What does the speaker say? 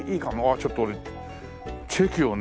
ちょっと俺チェキをね